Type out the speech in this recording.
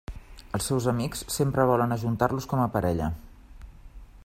Els seus amics sempre volen ajuntar-los com a parella.